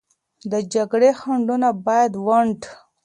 د جګړې خنډونه باید ونډ